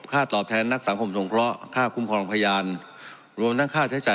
ค่าตอบแทนนักสังคมสงเคราะห์ค่าคุ้มครองพยานรวมทั้งค่าใช้จ่าย